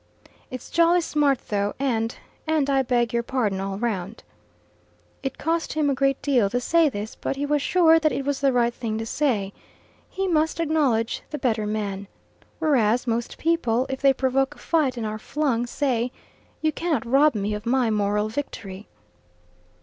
"It's jolly smart though, and and I beg your pardon all round." It cost him a great deal to say this, but he was sure that it was the right thing to say. He must acknowledge the better man. Whereas most people, if they provoke a fight and are flung, say, "You cannot rob me of my moral victory."